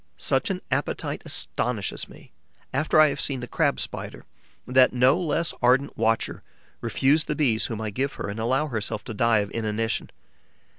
Such an appetite astonishes me, after I have seen the Crab Spider, that no less ardent watcher, refuse the Bees whom I give her and allow herself to die of inanition.